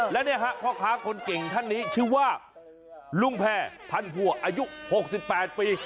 และเนี่ยฮะพ่อค้าคนเก่งท่านนี้ชื่อว่าลุงแพร่พันผัวอายุ๖๘ปี